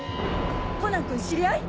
コナン君知り合い？